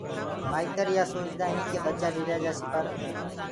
مآئيتر يآ سوچدآ هين ڪي ٻچآ ڏريآ جآسي پر